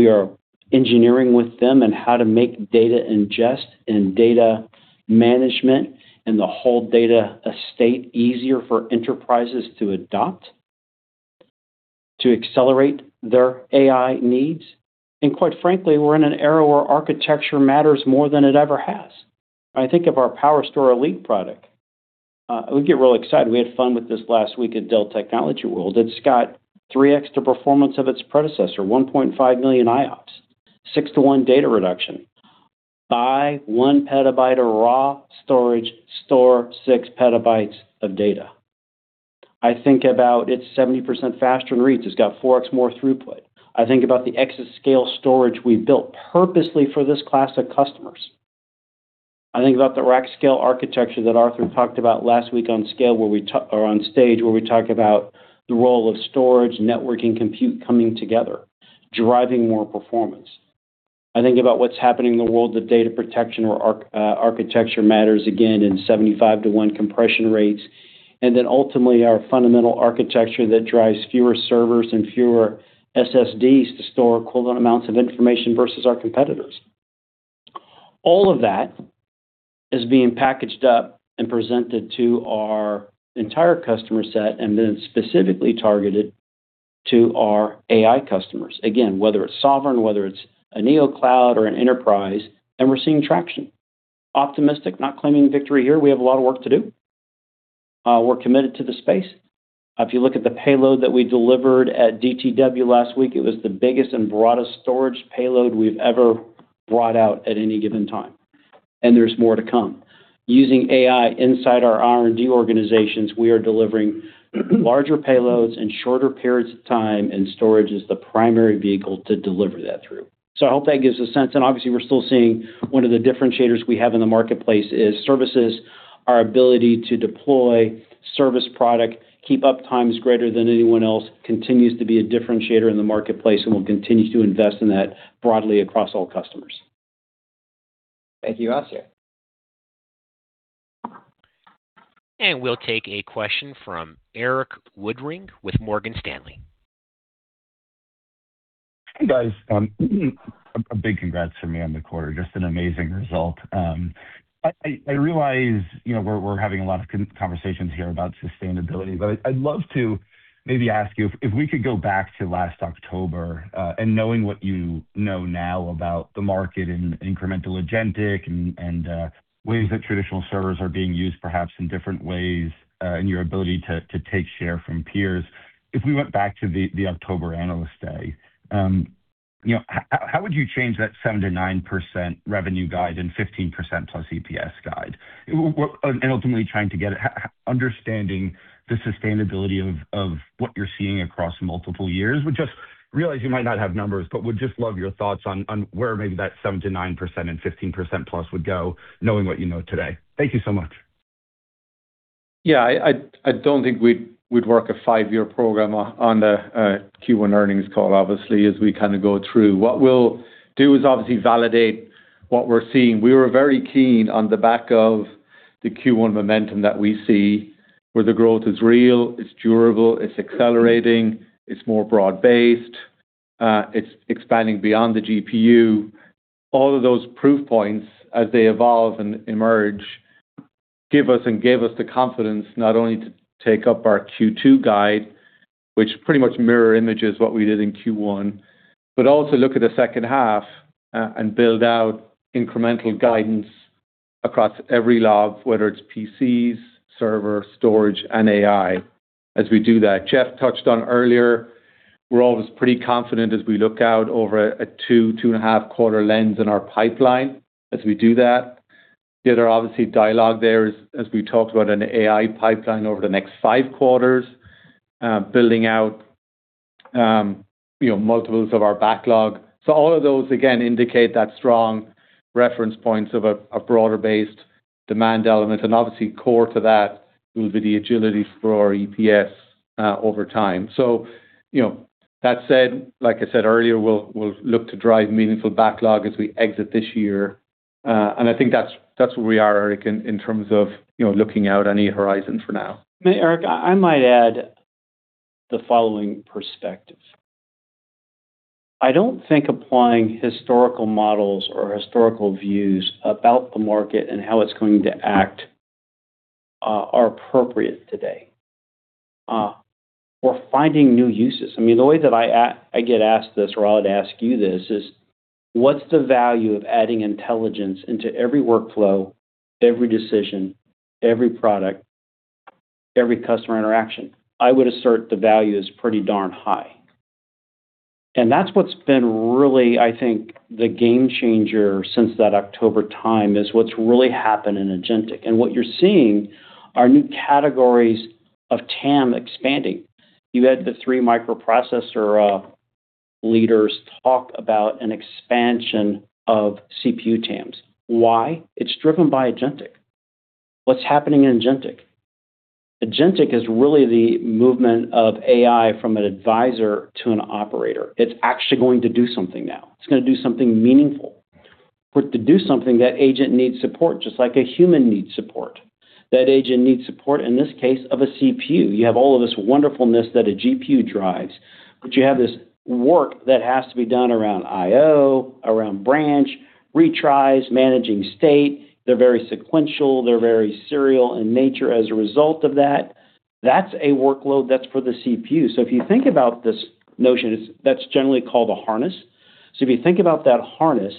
are engineering with them on how to make data ingest and data management and the whole data estate easier for enterprises to adopt to accelerate their AI needs. Quite frankly, we're in an era where architecture matters more than it ever has. I think of our PowerStore Elite product. We get real excited. We had fun with this last week at Dell Technologies World. It's got 3x the performance of its predecessor, 1.5 million IOPS, 6:1 data reduction. Buy one petabyte of raw storage, store six petabytes of data. I think about it's 70% faster in reads. It's got 4x more throughput. I think about the exascale storage we built purposely for this class of customers. I think about the rack scale architecture that Arthur talked about last week on stage, where we talk about the role of storage, networking, compute coming together, driving more performance. I think about what's happening in the world of data protection where architecture matters again in 75:1 compression rates. Ultimately, our fundamental architecture that drives fewer servers and fewer SSDs to store equivalent amounts of information versus our competitors. All of that is being packaged up and presented to our entire customer set and then specifically targeted to our AI customers. Whether it's sovereign, whether it's a neocloud or an enterprise, and we're seeing traction. Optimistic, not claiming victory here. We have a lot of work to do. We're committed to the space. If you look at the payload that we delivered at DTW last week, it was the biggest and broadest storage payload we've ever brought out at any given time, and there's more to come. Using AI inside our R&D organizations, we are delivering larger payloads in shorter periods of time, and storage is the primary vehicle to deliver that through. I hope that gives a sense, and obviously we're still seeing one of the differentiators we have in the marketplace is services, our ability to deploy service product, keep up times greater than anyone else, continues to be a differentiator in the marketplace and we'll continue to invest in that broadly across all customers. Thank you, Asiya. We'll take a question from Erik Woodring with Morgan Stanley. Hey, guys. A big congrats from me on the quarter. Just an amazing result. I realize we're having a lot of conversations here about sustainability, but I'd love to maybe ask you if we could go back to last October, and knowing what you know now about the market and incremental agentic and ways that traditional servers are being used, perhaps in different ways, and your ability to take share from peers. If we went back to the October Analyst Day, how would you change that 7%-9% revenue guide and 15%+ EPS guide? Ultimately, I'm trying to get an understanding of the sustainability of what you're seeing across multiple years. I realize you might not have numbers, but I would just love your thoughts on where maybe that 7%-9% and 15%+ would go, knowing what you know today. Thank you so much. Yeah, I don't think we'd work a five-year program on the Q1 earnings call. Obviously, as we go through, what we'll do is obviously validate what we're seeing. We were very keen on the back of the Q1 momentum that we see, where the growth is real, it's durable, it's accelerating, it's more broad-based, it's expanding beyond the GPU. All of those proof points, as they evolve and emerge, give us and gave us the confidence not only to take up our Q2 guide, which pretty much mirror images what we did in Q1, but also look at the second half, and build out incremental guidance across every level, whether it's PCs, server, storage, and AI. As we do that, Jeff touched on earlier, we're always pretty confident as we look out over a two and a half quarter lens in our pipeline as we do that. The other obviously dialogue there is, as we talked about an AI pipeline over the next five quarters, building out multiples of our backlog. All of those, again, indicate that strong reference points of a broader-based demand element. Obviously core to that will be the agility for our EPS over time. That said, like I said earlier, we'll look to drive meaningful backlog as we exit this year. I think that's where we are, Erik, in terms of looking out any horizon for now. Erik, I might add the following perspective. I don't think applying historical models or historical views about the market and how it's going to act are appropriate today. We're finding new uses. The way that I get asked this, or I'll ask you this is: What's the value of adding intelligence into every workflow, every decision, every product, every customer interaction? I would assert the value is pretty darn high. That's what's been really, I think, the game changer since that October time, is what's really happened in agentic. What you're seeing are new categories of TAM expanding. You had the three microprocessor leaders talk about an expansion of CPU TAMs. Why? It's driven by agentic. What's happening in agentic? Agentic is really the movement of AI from an advisor to an operator. It's actually going to do something now. It's going to do something meaningful. To do something, that agent needs support, just like a human needs support. That agent needs support, in this case, of a CPU. You have all of this wonderfulness that a GPU drives, but you have this work that has to be done around IO, around branch, retries, managing state. They're very sequential. They're very serial in nature as a result of that. That's a workload that's for the CPU. If you think about this notion, that's generally called a harness. If you think about that harness,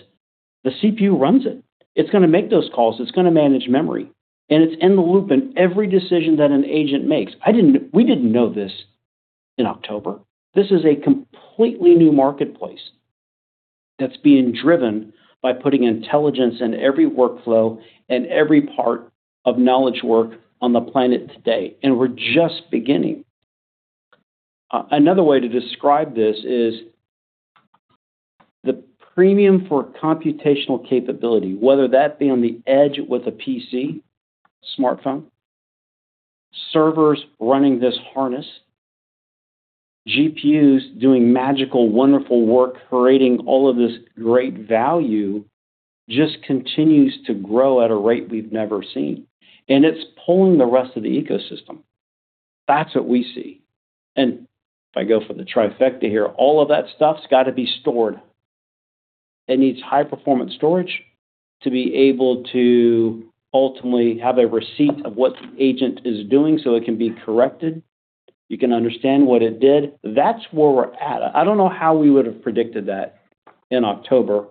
the CPU runs it. It's going to make those calls, it's going to manage memory, and it's in the loop in every decision that an agent makes. We didn't know this in October. This is a completely new marketplace that's being driven by putting intelligence in every workflow and every part of knowledge work on the planet today, and we're just beginning. Another way to describe this is the premium for computational capability, whether that be on the edge with a PC, smartphone, servers running this harness, GPUs doing magical, wonderful work creating all of this great value, just continues to grow at a rate we've never seen, and it's pulling the rest of the ecosystem. That's what we see. If I go for the trifecta here, all of that stuff's got to be stored. It needs high-performance storage to be able to ultimately have a receipt of what the agent is doing so it can be corrected, you can understand what it did. That's where we're at. I don't know how we would've predicted that in October,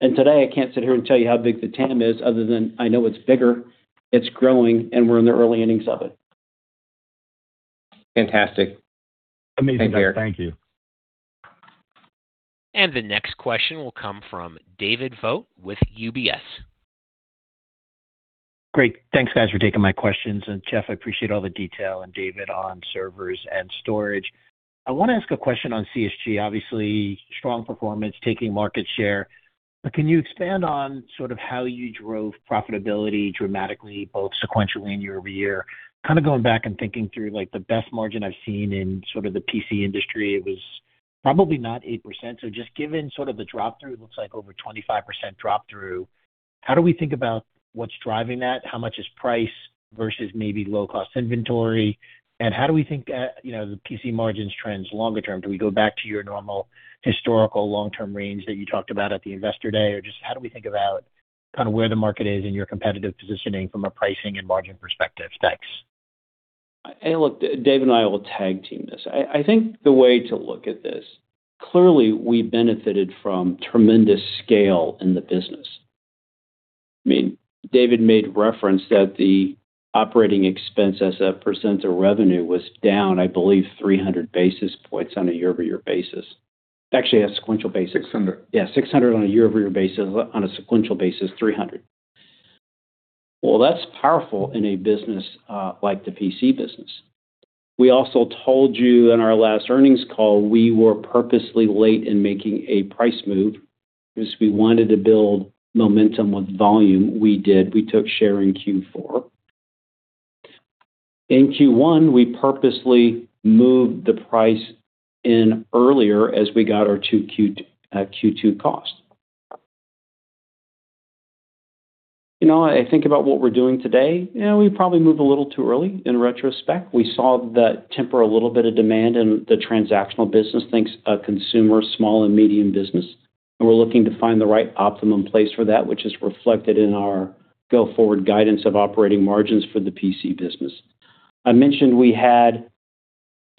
and today I can't sit here and tell you how big the TAM is other than I know it's bigger, it's growing, and we're in the early innings of it. Fantastic. Amazing. Thank you. The next question will come from David Vogt with UBS. Great. Thanks, guys, for taking my questions. Jeff, I appreciate all the detail, and David on servers and storage. I want to ask a question on CSG. Obviously, strong performance, taking market share, but can you expand on how you drove profitability dramatically, both sequentially and year-over-year? Going back and thinking through the best margin I've seen in the PC industry, it was probably not 8%. Just given the drop-through, it looks like over 25% drop-through, how do we think about what's driving that? How much is price versus maybe low-cost inventory? How do we think the PC margins trends longer term? Do we go back to your normal historical long-term range that you talked about at the Investor Day? Just how do we think about where the market is in your competitive positioning from a pricing and margin perspective? Thanks. Hey, look, Dave and I will tag-team this. I think the way to look at this, clearly, we benefited from tremendous scale in the business. David made reference that the operating expense as a % of revenue was down, I believe, 300 basis points on a year-over-year basis. Actually, a sequential basis. 600 basis points. Yeah, 600 basis points on a year-over-year basis. On a sequential basis, 300. Well, that's powerful in a business like the PC business. We also told you in our last earnings call, we were purposely late in making a price move because we wanted to build momentum with volume. We did. We took share in Q4. In Q1, we purposely moved the price in earlier as we got our Q2 cost. I think about what we're doing today, we probably moved a little too early in retrospect. We saw that temper a little bit of demand in the transactional business consumer, small and medium business, and we're looking to find the right optimum place for that, which is reflected in our go-forward guidance of operating margins for the PC business. I mentioned we had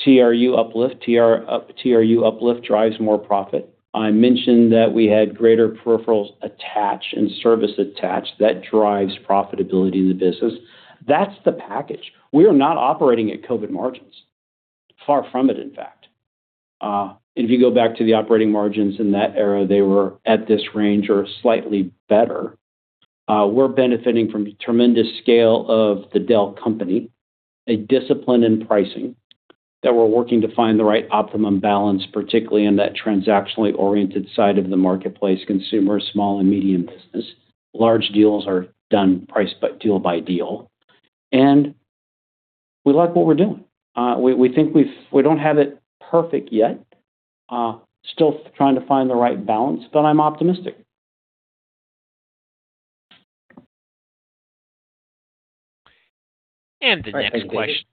TRU uplift. TRU uplift drives more profit. I mentioned that we had greater peripherals attach and service attach. That drives profitability in the business. That's the package. We are not operating at COVID margins. Far from it, in fact. If you go back to the operating margins in that era, they were at this range or slightly better. We're benefiting from the tremendous scale of the Dell company, a discipline in pricing, that we're working to find the right optimum balance, particularly in that transactionally-oriented side of the marketplace, consumer, small and medium business. Large deals are done deal by deal. We like what we're doing. We think we don't have it perfect yet. Still trying to find the right balance, but I'm optimistic. And the next question- All right. Thanks,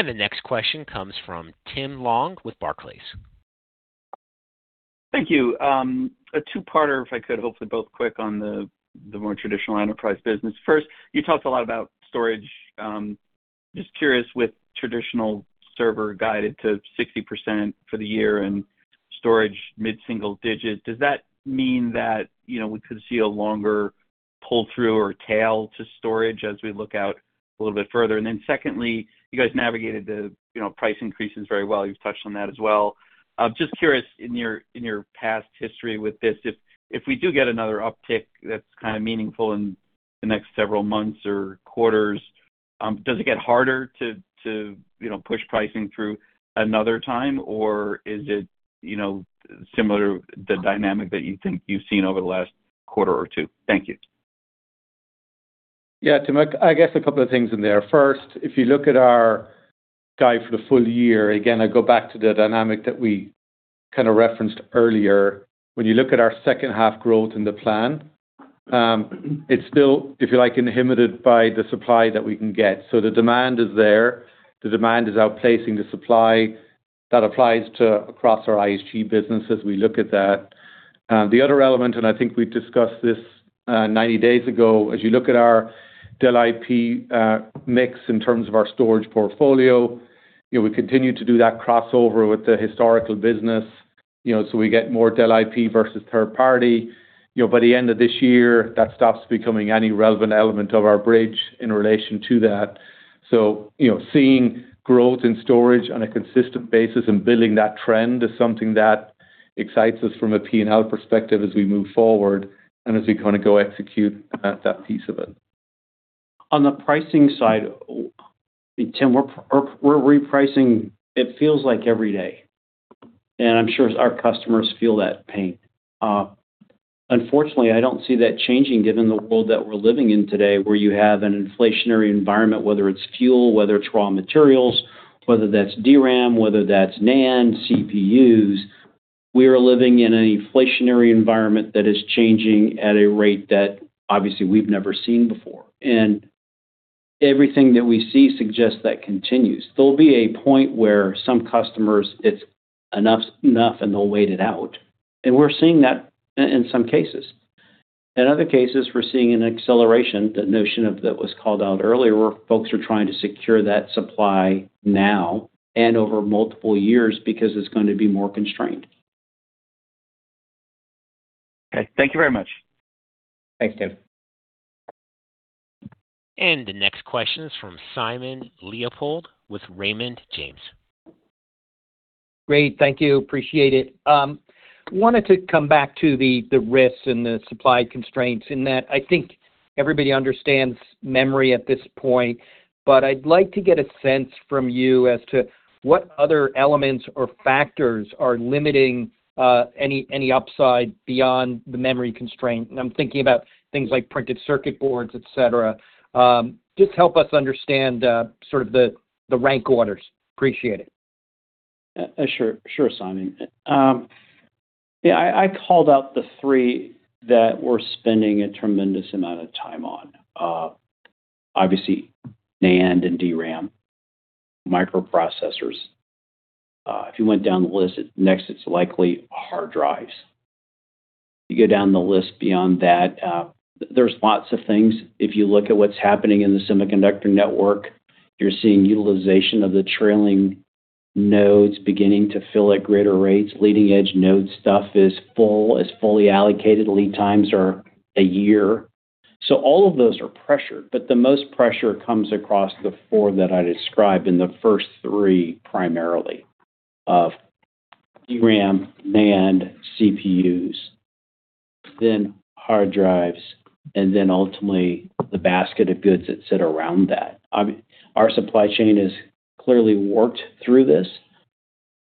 Erik. The next question comes from Tim Long with Barclays. Thank you. A two-parter, if I could, hopefully both quick on the more traditional enterprise business. First, you talked a lot about storage. Just curious with traditional server guided to 60% for the year and storage mid-single digit, does that mean that we could see a longer pull-through or tail to storage as we look out a little bit further? Secondly, you guys navigated the price increases very well. You've touched on that as well. Just curious in your past history with this, if we do get another uptick that's meaningful in the next several months or quarters, does it get harder to push pricing through another time, or is it similar, the dynamic that you think you've seen over the last quarter or two? Thank you. Tim, I guess a couple of things in there. First, if you look at our guide for the full year, again, I go back to the dynamic that we referenced earlier. When you look at our second half growth in the plan, it's still, if you like, inhibited by the supply that we can get. The demand is there. The demand is outpacing the supply. That applies to across our ISG business as we look at that. The other element, I think we discussed this 90 days ago, as you look at our Dell IP mix in terms of our storage portfolio, we continue to do that crossover with the historical business, we get more Dell IP versus third party. By the end of this year, that stops becoming any relevant element of our bridge in relation to that. Seeing growth in storage on a consistent basis and building that trend is something that excites us from a P&L perspective as we move forward and as we go execute that piece of it. On the pricing side, Tim, we're repricing it feels like every day, and I'm sure our customers feel that pain. Unfortunately, I don't see that changing given the world that we're living in today, where you have an inflationary environment, whether it's fuel, whether it's raw materials, whether that's DRAM, whether that's NAND, CPUs. We are living in an inflationary environment that is changing at a rate that obviously we've never seen before, and everything that we see suggests that continues. There'll be a point where some customers, it's enough, and they'll wait it out, and we're seeing that in some cases. In other cases, we're seeing an acceleration, that notion that was called out earlier, where folks are trying to secure that supply now and over multiple years because it's going to be more constrained. Okay. Thank you very much. Thanks, Tim. The next question is from Simon Leopold with Raymond James. Great. Thank you. Appreciate it. Wanted to come back to the risks and the supply constraints in that I think everybody understands memory at this point, but I'd like to get a sense from you as to what other elements or factors are limiting any upside beyond the memory constraint, and I'm thinking about things like printed circuit boards, et cetera. Just help us understand sort of the rank orders. Appreciate it. Sure, Simon. Yeah, I called out the three that we're spending a tremendous amount of time on. Obviously, NAND and DRAM, microprocessors. If you went down the list, next it's likely hard drives. You go down the list beyond that, there's lots of things. If you look at what's happening in the semiconductor network, you're seeing utilization of the trailing nodes beginning to fill at greater rates. Leading-edge node stuff is fully allocated. Lead times are a year. All of those are pressured, but the most pressure comes across the four that I described in the first three, primarily, of DRAM, NAND, CPUs, then hard drives, and then ultimately the basket of goods that sit around that. Our supply chain has clearly worked through this.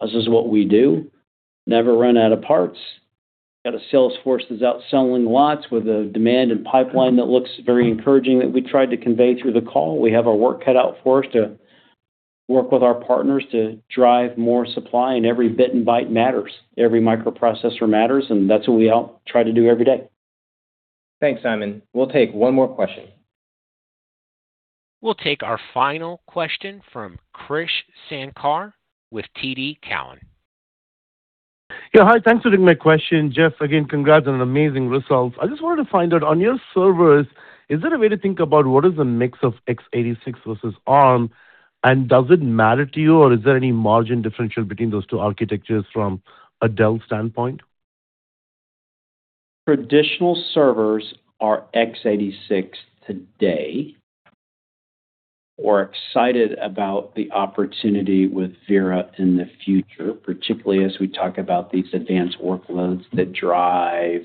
This is what we do. Never run out of parts. Got a salesforce that's out selling lots with a demand and pipeline that looks very encouraging that we tried to convey through the call. We have our work cut out for us to work with our partners to drive more supply, and every bit and byte matters. Every microprocessor matters, and that's what we all try to do every day. Thanks, Simon. We'll take one more question. We'll take our final question from Krish Sankar with TD Cowen. Yeah, hi. Thanks for taking my question. Jeff, again, congrats on an amazing result. I just wanted to find out, on your servers, is there a way to think about what is the mix of x86 versus Arm, does it matter to you, or is there any margin differential between those two architectures from a Dell standpoint? Traditional servers are x86 today. We're excited about the opportunity with Vera in the future, particularly as we talk about these advanced workloads that drive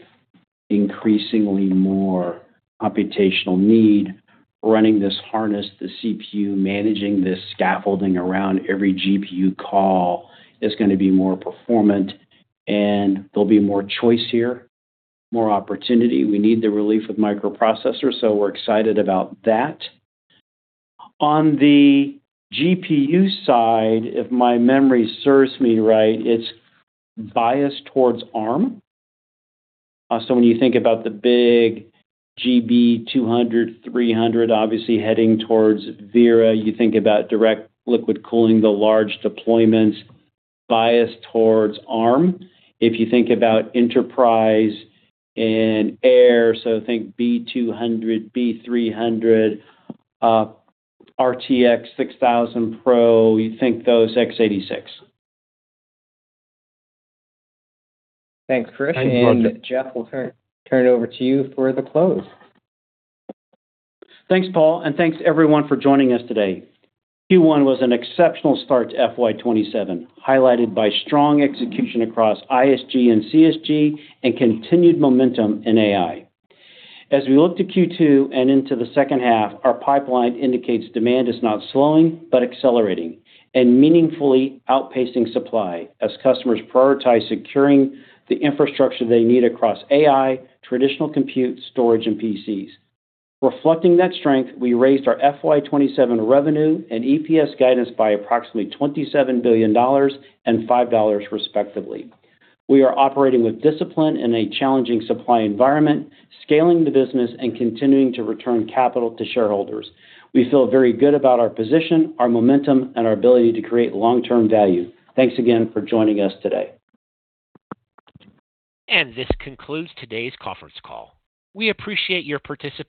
increasingly more computational need. Running this harness, the CPU managing this scaffolding around every GPU call is going to be more performant, and there'll be more choice here, more opportunity. We need the relief of microprocessors. We're excited about that. On the GPU side, if my memory serves me right, it's biased towards Arm. When you think about the big GB200, GB300, obviously heading towards Vera, you think about direct liquid cooling, the large deployments biased towards Arm. If you think about Enterprise AI think B200, B300, RTX 6000 Pro, you think those x86. Thanks, Krish. Thank you. Jeff, we'll turn it over to you for the close. Thanks, Paul, thanks, everyone, for joining us today. Q1 was an exceptional start to FY 2027, highlighted by strong execution across ISG and CSG and continued momentum in AI. As we look to Q2 and into the second half, our pipeline indicates demand is not slowing but accelerating and meaningfully outpacing supply as customers prioritize securing the infrastructure they need across AI, traditional compute, storage, and PCs. Reflecting that strength, we raised our FY 2027 revenue and EPS guidance by approximately $27 billion and $5 respectively. We are operating with discipline in a challenging supply environment, scaling the business, and continuing to return capital to shareholders. We feel very good about our position, our momentum, and our ability to create long-term value. Thanks again for joining us today. This concludes today's conference call. We appreciate your participation